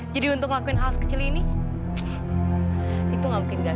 jadi untuk ngelakuin hal sekecil ini itu nggak mungkin gagal